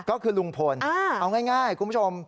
ก็คือลุงพลเอาง่ายคุณผู้ชม